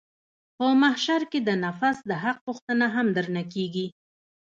په محشر کښې د نفس د حق پوښتنه هم درنه کېږي.